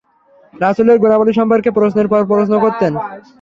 রাসূলের গুণাবলী সম্পর্কে প্রশ্নের পর প্রশ্ন করতেন।